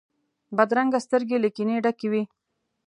بدرنګه سترګې له کینې ډکې وي